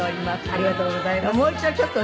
ありがとうございます。